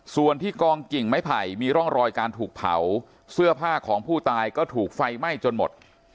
ส่วนที่กองกิ่งไม้ไผ่มีร่องรอยการถูกเผาเสื้อผ้าของผู้ตายก็ถูกไฟไหม้จนหมด